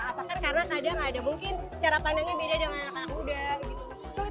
apakah karena kadang ada mungkin cara pandangnya beda dengan anak anak muda gitu sulit